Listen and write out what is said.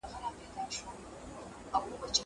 په خيالونو کي ورګرځي